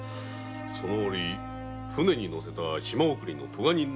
その折船に乗せた島送りの科人の数は？